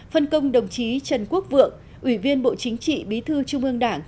phân công đồng chí trần quốc vượng ủy viên bộ chính trị bí thư trung ương đảng